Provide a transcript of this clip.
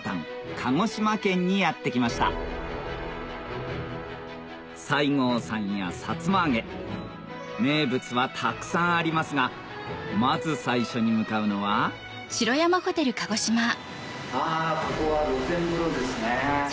鹿児島県にやって来ました西郷さんやさつま揚げ名物はたくさんありますがまず最初に向かうのはあここは露天風呂ですね。